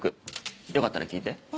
よかったら聴いて。